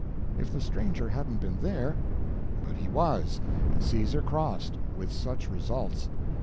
If the stranger hadn't been there! But he WAS. And Caesar crossed. With such results!